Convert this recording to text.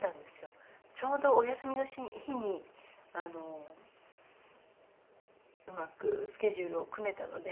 ちょうどお休みの日にあのうまくスケジュールを組めたので。